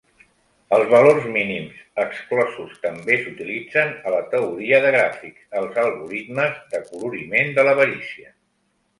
Els valors mínims exclosos també s'utilitzen a la teoria de gràfics, als algoritmes d'acoloriment de l'avarícia.